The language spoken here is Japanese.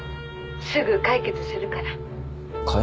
「すぐ解決するから」解。